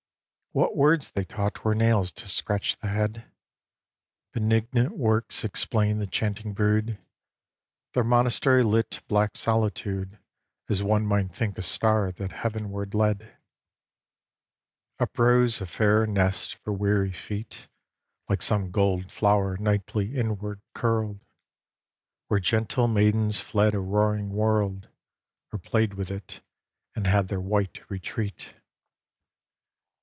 VIII What words they taught were nails to scratch the head. Benignant works explained the chanting brood. Their monastery lit black solitude, As one might think a star that heavenward led. IX Uprose a fairer nest for weary feet, Like some gold flower nightly inward curled, Where gentle maidens fled a roaring world, Or played with it, and had their white retreat.